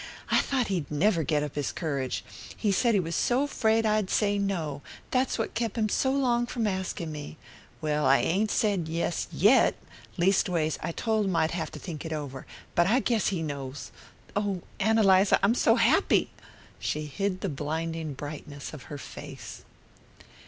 I thought he'd never get up his courage. He said he was so 'fraid I'd say no that's what kep' him so long from asking me. Well, I ain't said yes YET leastways I told him I'd have to think it over; but I guess he knows. Oh, Ann Eliza, I'm so happy!" She hid the blinding brightness of her face.